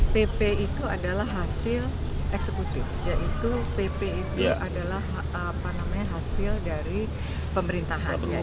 pp itu adalah hasil eksekutif yaitu pp itu adalah hasil dari pemerintahannya